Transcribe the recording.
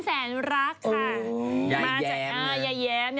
ซึ่งคน